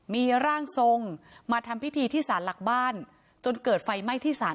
มีร่างทรงมาทำพิธีที่สารหลักบ้านจนเกิดไฟไหม้ที่ศาล